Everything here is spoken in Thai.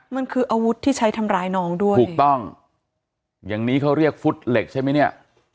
มันคืออาวุธที่ใช้ทำร้ายน้องด้วยถูกต้องอย่างนี้เขาเรียกฟุตเหล็กใช่ไหมเนี่ย